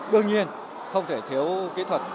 đương nhiên không thể thiếu kỹ thuật